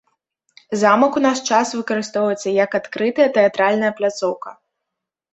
Замак у наш час выкарыстоўваецца як адкрытая тэатральная пляцоўка.